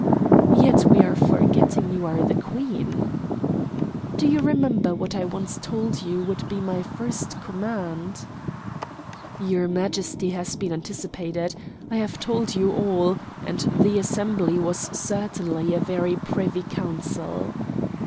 "Yet we are forgetting you are the Queen." "Do you remember what I once told you would be my first command?" "Your Majesty has been anticipated. I have told you all and the assembly was certainly a very Privy Council."